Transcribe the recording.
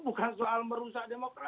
bukan soal merusak demokrasi